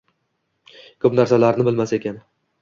Ko‘p narsalarni bilmas ekan